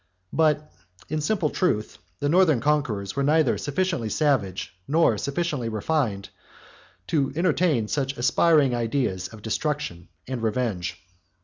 But in simple truth, the northern conquerors were neither sufficiently savage, nor sufficiently refined, to entertain such aspiring ideas of destruction and revenge.